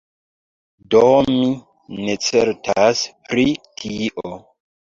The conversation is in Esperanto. Do mi ne certas pri tio.